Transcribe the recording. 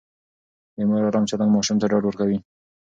د مور ارام چلند ماشوم ته ډاډ ورکوي.